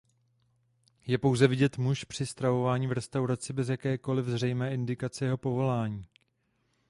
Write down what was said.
Je pouze vidět muž při stravování v restauraci bez jakékoliv zřejmé indikace jeho povolání.